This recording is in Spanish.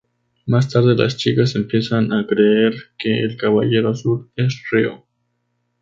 Más tarde, las chicas empiezan a creer que El Caballero Azul es Ryō.